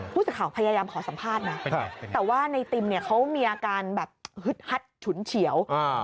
ผู้สื่อข่าวพยายามขอสัมภาษณ์นะแต่ว่าในติมเนี่ยเขามีอาการแบบฮึดฮัดฉุนเฉียว